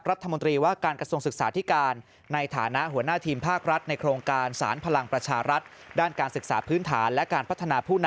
รัฐมนตรีว่าการกระทรวงศึกษาที่การในฐานะหัวหน้าทีมภาครัฐในโครงการสารพลังประชารัฐ